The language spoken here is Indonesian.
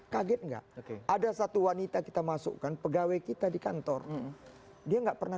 kaget nggak ada satu wanita kita masukkan pegawai kita di kantor dia nggak pernah